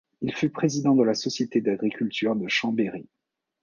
Il fut président de la Société d'agriculture de Chambéry.